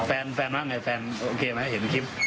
มีแหละแฟนมากไงแฟนโอเคไหมเห็นคลิป